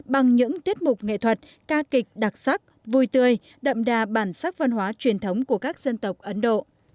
bằng những tiết mục nghệ thuật ca kịch đặc sắc vui tươi đậm đà bản sắc văn hóa truyền thống của các dân tộc ấn độ